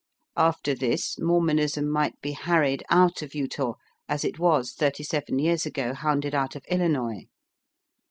After this, Mormonism might be harried out of Utah as it was thirty seven years ago hounded out of Illinois.